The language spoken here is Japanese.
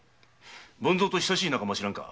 文造と親しい仲間を知らんか？